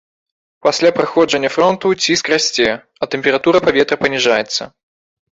Пасля праходжання фронту ціск расце, а тэмпература паветра паніжаецца.